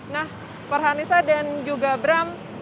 nah farhanisa dan juga bram